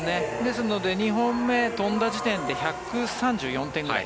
２本目飛んだ時点で１３４点ぐらい。